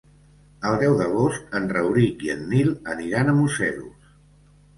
El deu d'agost en Rauric i en Nil aniran a Museros.